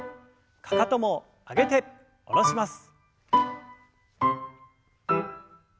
かかとも上げて下ろします。